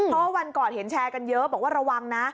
เพราะวันก่อนเห็นแชร์กันเยอะบอกว่าระวังนะ